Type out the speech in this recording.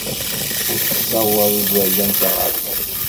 Ur tessawaḍ igerdan s aɣerbaz.